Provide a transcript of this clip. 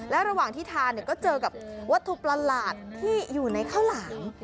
และระหว่างที่ทานก็เจอกับวัตถุประหลาดที่อยู่ในข้าวหลาม